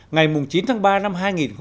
ngày chín tháng ba năm hai nghìn một mươi bảy